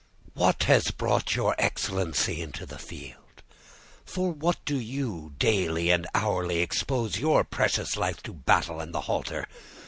"What has brought your excellency into the field? For what do you daily and hourly expose your precious life to battle and the halter?